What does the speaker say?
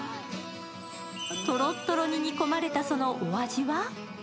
とろっとろに煮込まれたそのお味は？